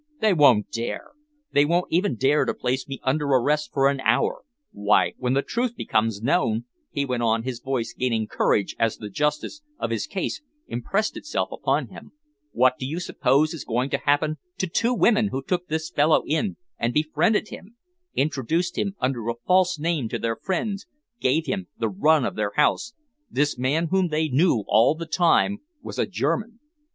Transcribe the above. They won't dare! They won't even dare to place me under arrest for an hour. Why, when the truth becomes known," he went on, his voice gaining courage as the justice of his case impressed itself upon him, "what do you suppose is going to happen to two women who took this fellow in and befriended him, introduced him under a false name to their friends, gave him the run of their house this man whom they knew all the time was a German?